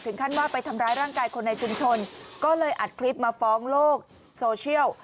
ขั้นว่าไปทำร้ายร่างกายคนในชุมชนก็เลยอัดคลิปมาฟ้องโลกโซเชียล